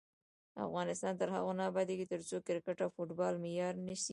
افغانستان تر هغو نه ابادیږي، ترڅو کرکټ او فوټبال معیاري نشي.